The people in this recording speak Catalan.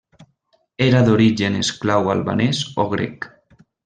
Era d'origen esclau albanès o grec.